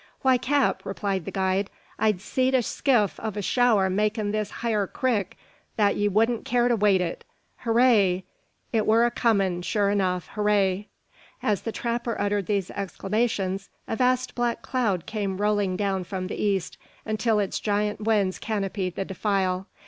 "Why, cap," replied the guide, "I've seed a skift o' a shower make this hyur crick that 'ee wudn't care to wade it. Hooray! it ur a comin', sure enuf! Hooray!" As the trapper uttered these exclamations, a vast black cloud came rolling down from the east, until its giant winds canopied the defile.